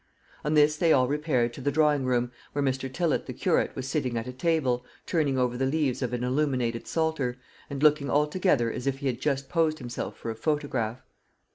On this they all repaired to the drawing room, where Mr. Tillott the curate was sitting at a table, turning over the leaves of an illuminated psalter, and looking altogether as if he had just posed himself for a photograph.